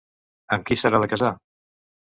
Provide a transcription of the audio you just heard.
Amb qui s'haurà de casar?